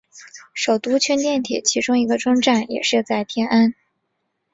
首都圈电铁其中一个终站也设在天安。